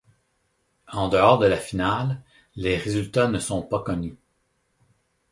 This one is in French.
En dehors de la finale, les résultats ne sont pas connus.